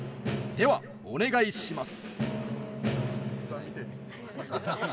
では、お願いします。